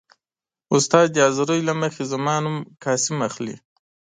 . استاد د حاضرۍ له مخې زما نوم «قاسم» اخلي.